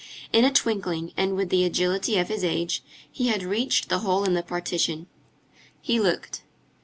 In a twinkling, and with the agility of his age, he had reached the hole in the partition. He looked.